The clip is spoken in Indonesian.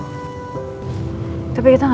tapi kita gak punya beban pak